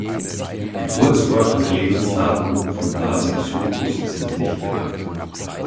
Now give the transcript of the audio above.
Geburtsort und Lebensdaten von Blasius Lupus sind nicht bekannt.